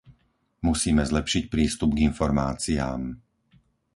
Musíme zlepšiť prístup k informáciám.